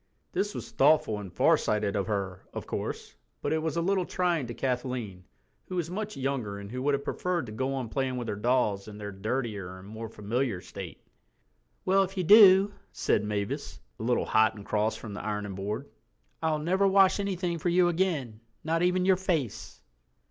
This was thoughtful and farsighted of her, of course, but it was a little trying to Kathleen, who was much younger and who would have preferred to go on playing with her dolls in their dirtier and more familiar state. "Well, if you do," said Mavis, a little hot and cross from the ironing board, "I'll never wash anything for you again, not even your face."